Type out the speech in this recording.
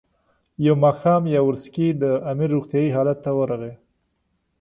یو ماښام یاورسکي د امیر روغتیایي حالت ته ورغی.